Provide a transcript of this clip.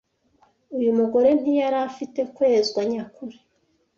Uyu mugore ntiyari afite kwezwa nyakuri